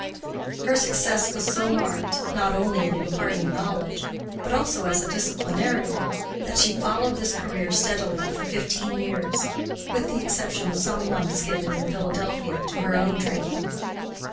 Her success was so marked, not only in imparting knowledge, but also as a disciplinarian, that she followed this career steadily for fifteen years, with the exception of some months given in Philadelphia to her own training.